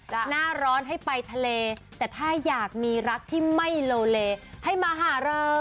หน้าร้อนให้ไปทะเลแต่ถ้าอยากมีรักที่ไม่โลเลให้มาหาเรา